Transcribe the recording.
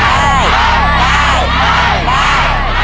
ได้ได้ได้ได้